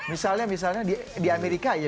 misalnya di amerika ya